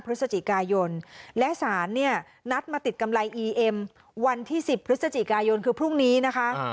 พฤศจิกายนและสารเนี่ยนัดมาติดกำไรอีเอ็มวันที่๑๐พฤศจิกายนคือพรุ่งนี้นะคะ